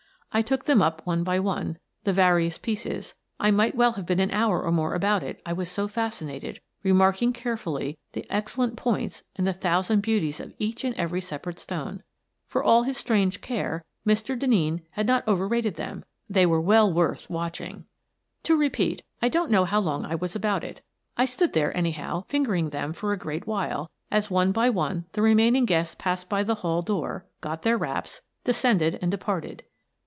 I took them up one by one, the various pieces, — I might well have been an hour or more about it, I was so fascinated, — remarking carefully the excellent points and the thousand beauties of each and every separate stone. For all his strange care, Mr. Denneen had not overrated them: they were well worth watching. To repeat, I don't know how long I was about it. I stood there, anyhow, fingering them for a great while, as, one by one, the remaining guests passed by the hall door, got their wraps, descended and departed.